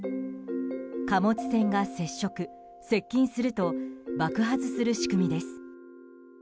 貨物船が接触・接近すると爆発する仕組みです。